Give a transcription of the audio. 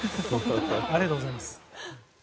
ありがとうございます。